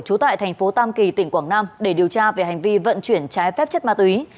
trú tại thành phố tam kỳ tỉnh quảng nam để điều tra về hành vi vận chuyển trái phép chất ma túy